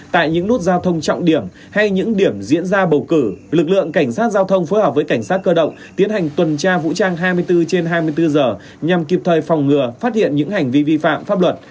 tại những nút giao thông trọng điểm hay những điểm diễn ra bầu cử lực lượng cảnh sát giao thông phối hợp với cảnh sát cơ động tiến hành tuần tra vũ trang hai mươi bốn trên hai mươi bốn giờ nhằm kịp thời phòng ngừa phát hiện những hành vi vi phạm pháp luật